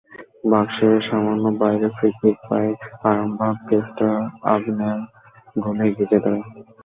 বক্সের সামান্য বাইরে ফ্রি-কিক পায় আরামবাগ, কেস্টার আকনের গোলে এগিয়ে যায় তারা।